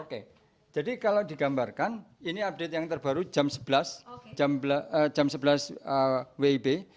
oke jadi kalau digambarkan ini update yang terbaru jam sebelas wib